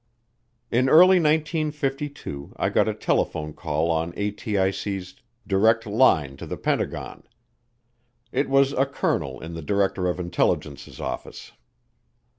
In early 1952 I got a telephone call on ATIC's direct line to the Pentagon. It was a colonel in the Director of Intelligence's office.